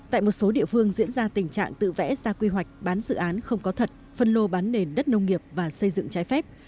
tại một số địa phương diễn ra tình trạng tự vẽ ra quy hoạch bán dự án không có thật phân lô bán nền đất nông nghiệp và xây dựng trái phép